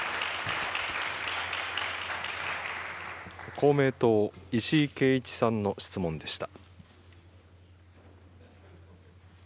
公明党、石井啓一さんの質問でした。